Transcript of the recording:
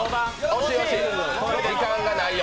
時間がないよ。